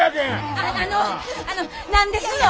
ああのあの何ですの！？